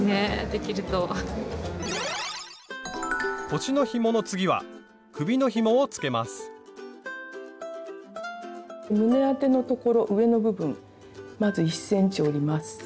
「腰のひも」の次は胸当てのところ上の部分まず１ｃｍ折ります。